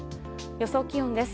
予想気温です。